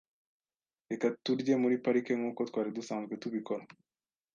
Reka turye muri parike nkuko twari dusanzwe tubikora .